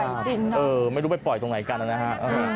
พูดใหญ่จริงเนอะเออไม่รู้ไปปล่อยตรงไหนกันนะฮะอืม